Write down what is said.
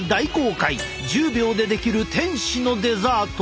１０秒でできる天使のデザート。